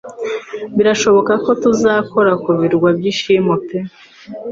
Birashoboka ko tuzakora ku birwa Byishimo pe